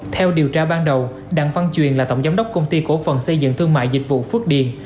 theo điều tra ban đầu đặng văn truyền là tổng giám đốc công ty cổ phần xây dựng thương mại dịch vụ phước điền